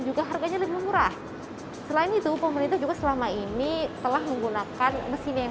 juga harganya lebih murah selain itu pemerintah juga selama ini telah menggunakan mesin yang